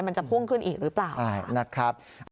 มันจะพ่วงขึ้นอีกหรือเปล่า